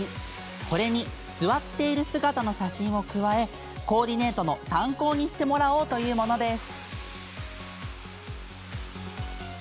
これに座っている姿の写真を加えコーディネートの参考にしてもらおうというものです。